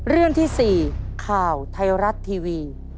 เรื่องที่๔ข่าวไทยรัฐทีวี